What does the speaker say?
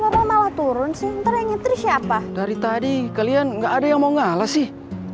pak malah turun siang terakhir siapa dari tadi kalian nggak ada yang mau ngalah sih